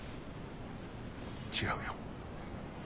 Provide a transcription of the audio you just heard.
違うよ。